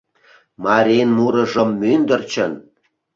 Марин мурыжым мӱндырчын